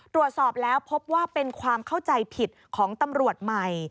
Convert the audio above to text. ตรวจสอบแล้วพบว่าเป็นความเข้าใจผิดของตำรวจใหม่